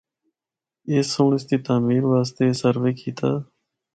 اُس سنڑ اس دی تعمیر واسطے اے سروے کیتا۔